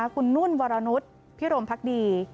คุณนุ่นวรนุษย์พิรมพักดี